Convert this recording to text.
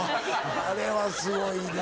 あれはすごいな。